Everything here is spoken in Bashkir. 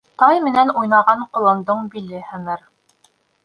Тай менән уйнаған колондоң биле һыныр.